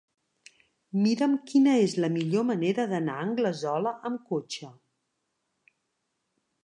Mira'm quina és la millor manera d'anar a Anglesola amb cotxe.